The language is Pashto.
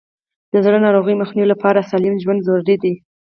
د زړه ناروغیو مخنیوي لپاره سالم ژوند ضروري دی.